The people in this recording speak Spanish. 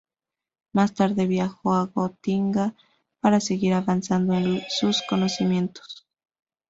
Más tarde viajó a Gotinga para seguir avanzando en sus conocimientos.